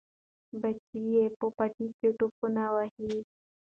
بچي یې په پټي کې ټوپونه وهي.